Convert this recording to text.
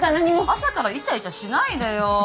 朝からイチャイチャしないでよ。